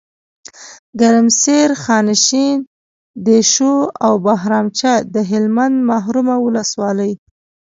ګرمسیر، خانشین، دیشو او بهرامچه دهلمند محرومه ولسوالۍ